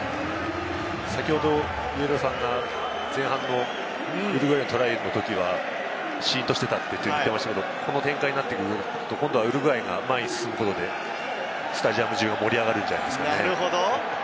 先ほど上田さんが前半のウルグアイのトライのときはシーンとしていたって言ってましたけれど、この展開になってくると、今度はウルグアイが前に進むことでスタジアム中が盛り上がるんじゃないですか。